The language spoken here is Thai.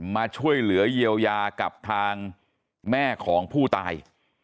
มาช่วยเหลือเยียวยากับทางแม่ของผู้ตาย